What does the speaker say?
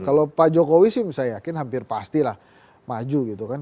kalau pak jokowi sih saya yakin hampir pasti lah maju gitu kan